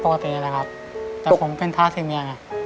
ผมก็นอนปกตินี้แหละครับแต่ผมเป็นทาราสิเมียไง